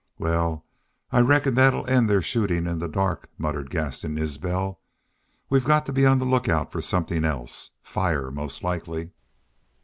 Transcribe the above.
"Wal, I reckon that 'll end their shootin' in the dark," muttered Gaston Isbel. "We've got to be on the lookout for somethin' else fire, most likely."